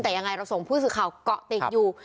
แต่ยังไงเราส่งผู้สื่อข่าวเกาะติดอยู่